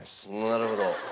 なるほど。